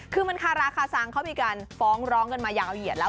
คือมันคาราคาซังเขามีการฟ้องร้องกันมายาวเหยียดแล้ว